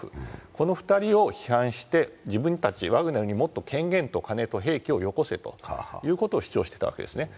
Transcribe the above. この２人を批判して自分たちワグネルにもっと金と権限と兵器をよこせと主張していたんですね。